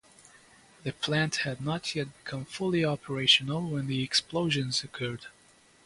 The plant had not yet become fully operational when the explosions occurred.